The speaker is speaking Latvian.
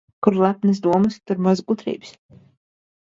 Kur lepnas domas, tur maz gudrības.